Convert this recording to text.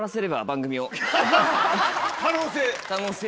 可能性。